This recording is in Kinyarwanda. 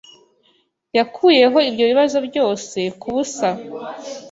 Yakuyeho ibyo bibazo byose kubusa.